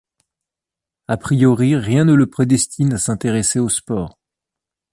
A priori rien ne le prédestine à s'intéresser au sport.